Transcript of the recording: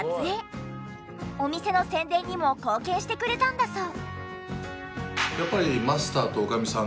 お店の宣伝にも貢献してくれたんだそう。